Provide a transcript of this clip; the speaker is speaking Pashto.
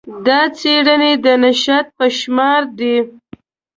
دا څېړنې د نشت په شمار دي.